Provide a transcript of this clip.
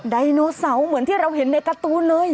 ไดโนเสาร์เหมือนที่เราเห็นในการ์ตูนเลย